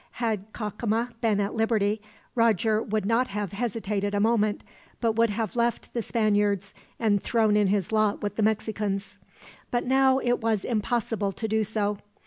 Had Cacama been at liberty, Roger would not have hesitated a moment, but would have left the Spaniards and thrown in his lot with the Mexicans; but now it was impossible to do so.